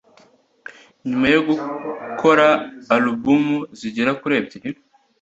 nyuma yo gukora alubumu zigera kuri ebyili